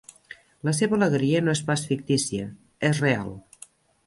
La seva alegria no és pas fictícia: és real.